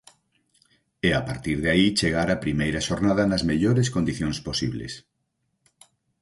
E a partir de aí chegar á primeira xornada nas mellores condicións posibles.